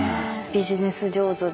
ビジネス上手で。